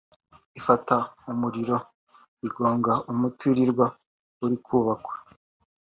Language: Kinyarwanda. ifata umuriro igonga umuturirwa uri kubakwa